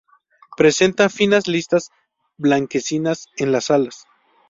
Presenta finas listas blanquecinas en las alas.